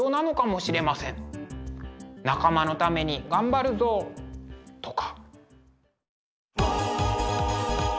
仲間のために頑張るぞ！とか。